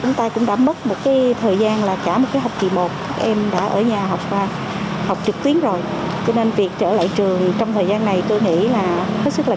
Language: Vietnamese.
cho nên việc trở lại trường trong thời gian này